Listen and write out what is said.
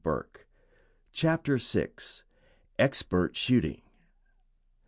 ] CHAPTER VI. EXPERT SHOOTING.